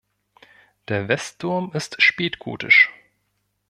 Der Westturm ist spätgotisch.